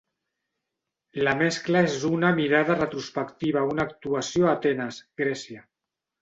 La mescla és una mirada retrospectiva a una actuació a Atenes, Grècia.